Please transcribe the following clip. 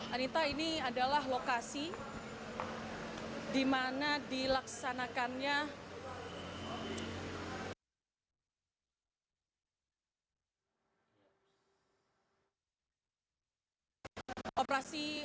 anita ini adalah lokasi dimana dilaksanakannya